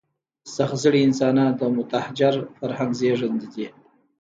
سخت زړي انسانان د متحجر فرهنګ زېږنده دي.